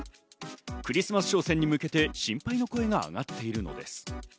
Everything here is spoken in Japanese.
クリスマス商戦に向けて心配の声があがっているのです。